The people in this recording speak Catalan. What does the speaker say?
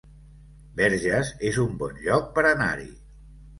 Verges es un bon lloc per anar-hi